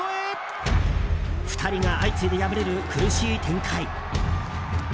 ２人が相次いで敗れる苦しい展開。